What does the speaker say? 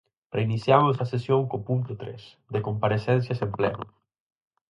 Reiniciamos a sesión co punto tres, de comparecencias en Pleno.